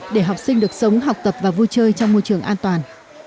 để học sinh được sống học tập và vui chơi trong môi trường an toàn